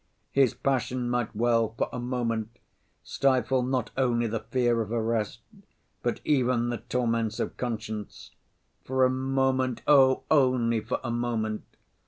"His passion might well, for a moment, stifle not only the fear of arrest, but even the torments of conscience. For a moment, oh, only for a moment!